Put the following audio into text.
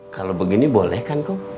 kalo begini boleh kan kum